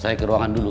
saya ke ruangan dulu